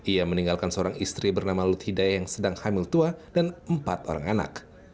ia meninggalkan seorang istri bernama lut hidayah yang sedang hamil tua dan empat orang anak